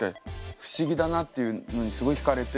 不思議だなっていうのにすごい引かれて。